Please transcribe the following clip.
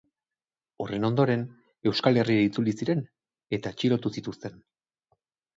Horren ondoren, Euskal Herrira itzuli ziren eta atxilotu zituzten.